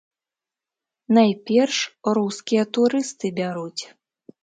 Найперш, рускія турысты бяруць.